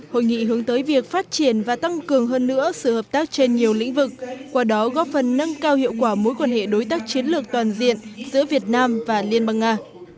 hội nghị có sự hợp tác trên nhiều lĩnh vực qua đó góp phần nâng cao hiệu quả mối quan hệ đối tác chiến lược toàn diện giữa việt nam và liên bang nga